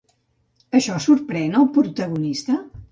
Això sorprèn el protagonista?